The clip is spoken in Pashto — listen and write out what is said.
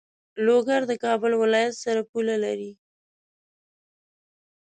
لوګر د کابل ولایت سره پوله لری.